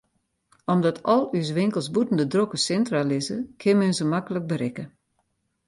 Omdat al ús winkels bûten de drokke sintra lizze, kin men se maklik berikke.